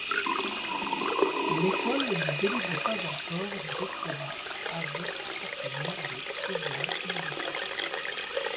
L'école ne délivre pas encore de doctorat avec ses partenaires de Hesam Université.